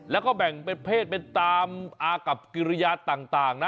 แล้วก็แบ่งเป็นเพศเป็นตามอากับกิริยาต่างนะ